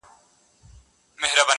ارمغان خوشال خټک